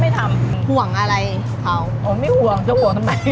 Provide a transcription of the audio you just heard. ไม่ทำห่วงอะไรเขาอ๋อไม่ห่วงจะห่วงทำไม